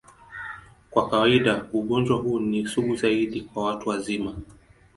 Kwa kawaida, ugonjwa huu ni sugu zaidi kwa watu wazima.